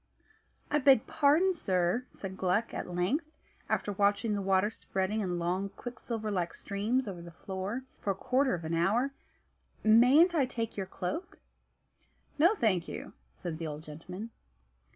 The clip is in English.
"I beg pardon, sir," said Gluck at length, after watching the water spreading in long, quicksilver like streams over the floor for a quarter of an hour; "mayn't I take your cloak?" "No, thank you," said the old gentleman.